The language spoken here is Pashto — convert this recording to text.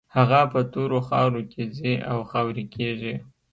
هغه په تورو خاورو کې ځي او خاورې کېږي.